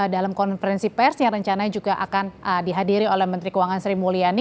dalam konferensi pers yang rencananya juga akan dihadiri oleh menteri keuangan sri mulyani